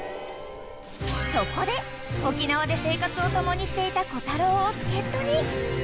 ［そこで沖縄で生活を共にしていたコタロウを助っ人に］